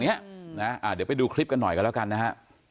เนี้ยนะอ่าเดี๋ยวไปดูคลิปกันหน่อยกันแล้วกันนะฮะ